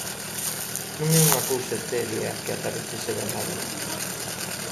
Non é unha cousa etérea que aparecese da nada.